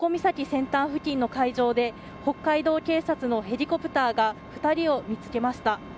先端付近の海上で北海道警察のヘリコプターが２人を見つけました。